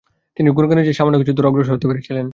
তিনি গুরগানের চেয়ে সামান্য কিছুদূর অগ্রসর হতে পেরেছিলেন।